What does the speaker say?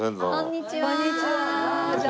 こんにちは。